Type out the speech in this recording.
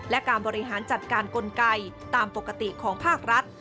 และการบริหารจัดการกลไกตามปกติของภาครัฐ